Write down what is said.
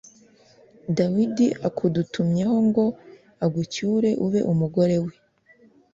Dawidi akudutumyeho ngo agucyure ube umugore we.